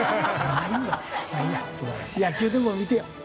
野球でも見てよう。